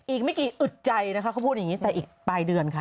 อีกไม่กี่อึดใจนะคะเขาพูดอย่างนี้แต่อีกปลายเดือนค่ะ